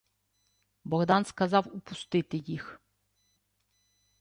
Богдан сказав упустити їх.